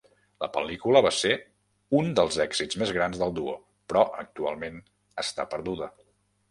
La pel·lícula va ser un dels èxits més grans del duo, però actualment està perduda.